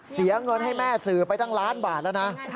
เสียเงินให้แม่สื่อไปตั้งล้านบาทแล้วนะ